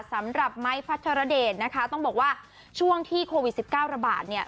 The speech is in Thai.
สำหรับไม้พัทรเดชนะคะต้องบอกว่าช่วงที่โควิด๑๙ระบาดเนี่ย